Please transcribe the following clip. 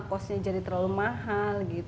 cost nya jadi terlalu mahal